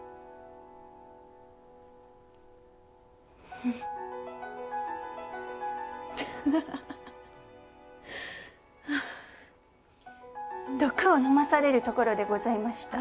フ、ハハハハはあ毒を飲まされるところでございました。